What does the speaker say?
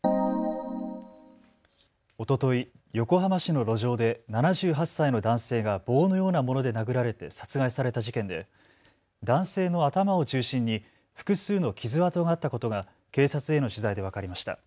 おととい、横浜市の路上で７８歳の男性が棒のようなもので殴られて殺害された事件で男性の頭を中心に複数の傷痕があったことが警察への取材で分かりました。